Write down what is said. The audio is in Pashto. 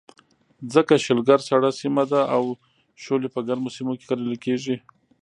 ځکه شلګر سړه سیمه ده او شولې په ګرمو سیمو کې کرلې کېږي.